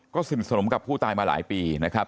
ก็สนิทสนมกับผู้ตายมาหลายปีนะครับ